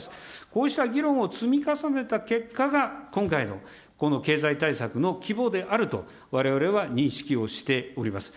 こうした議論を積み重ねた結果が、今回のこの経済対策の規模であると、われわれは認識をしております。